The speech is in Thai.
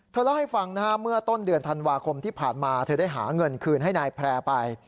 เล่าให้ฟังนะฮะเมื่อต้นเดือนธันวาคมที่ผ่านมาเธอได้หาเงินคืนให้นายแพร่ไป